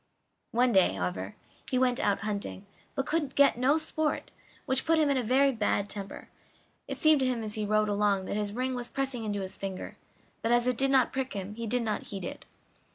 One day, however, he went out hunting, but could get no sport, which put him in a very bad temper; it seemed to him as he rode along that his ring was pressing into his finger, but as it did not prick him he did not heed it.